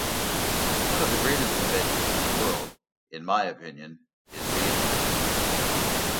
One of the greatest inventions in the world, in my opinion, is the internet.